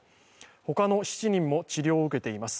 他の７人も治療を受けています。